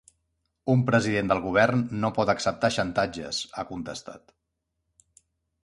Un president del govern no pot acceptar xantatges, ha contestat.